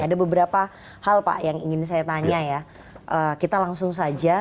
ada beberapa hal pak yang ingin saya tanya ya kita langsung saja